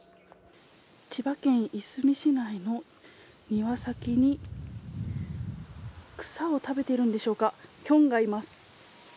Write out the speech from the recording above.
千葉県いすみ市内の庭先に、草を食べているんでしょうか、キョンがいます。